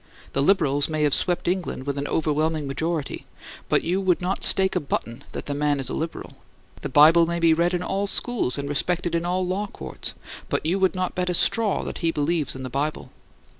The Liberals may have swept England with an over whelming majority; but you would not stake a button that the man is a Liberal. The Bible may be read in all schools and respected in all law courts; but you would not bet a straw that he believes in the Bible.